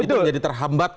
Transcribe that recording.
itu menjadi terhambat